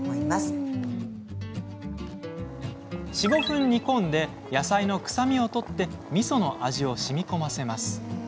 ４、５分、煮込んで野菜の臭みを取ってみその味をしみこませます。